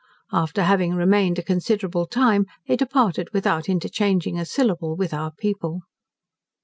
After having remained a considerable time they departed without interchanging a syllable with our people.